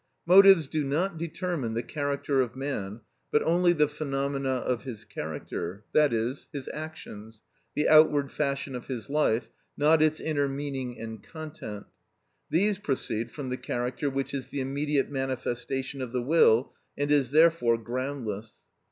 Motives do not determine the character of man, but only the phenomena of his character, that is, his actions; the outward fashion of his life, not its inner meaning and content. These proceed from the character which is the immediate manifestation of the will, and is therefore groundless.